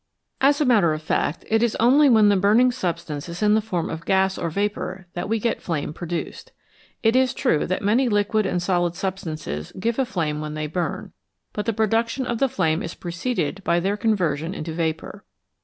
As a matter of fact, it is only when the burning sub stance is in the form of gas or vapour that we get flame produced. It is true that many liquid and solid substances give a flame when they burn, but the production of the flame is preceded by their conversion into vapour.